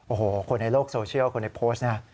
โอ้โหคนในโลกโซเชียลคนในโพสต์นะ